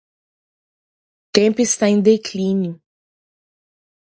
Tempo está em declínio